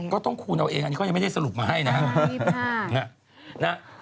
ก็ต้องคูณเอาเองอันนี้เขายังไม่ได้สรุปมาให้นะครับ